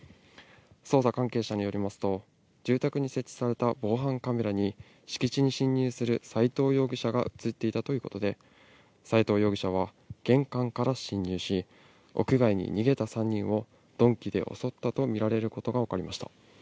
捜査関係者によりますと、住宅に設置された防犯カメラに敷地に侵入する斎藤容疑者が写っていたということで、斎藤容疑者は玄関から侵入し、屋外に逃げた３人を鈍器で襲ったと見られることが分かりました。